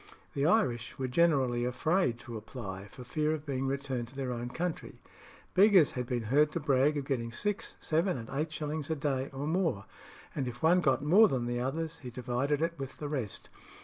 The Irish were generally afraid to apply, for fear of being returned to their own country. Beggars had been heard to brag of getting six, seven, and eight shillings a day, or more; and if one got more than the others, he divided it with the rest.